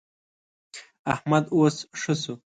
احمد اوس ښه شو.